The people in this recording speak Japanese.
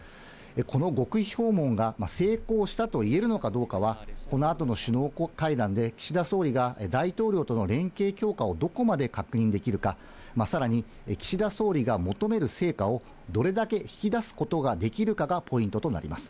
この極秘訪問が成功したといえるのかどうかは、このあとの首脳会談で岸田総理が大統領との連携強化をどこまで確認できるか、さらに岸田総理が求める成果をどれだけ引き出すことができるかがポイントとなります。